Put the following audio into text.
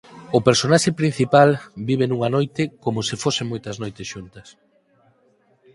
O personaxe principal vive nunha noite "como se fosen moitas noites xuntas".